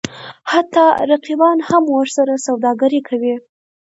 حتی رقیبان هم ورسره سوداګري کوي.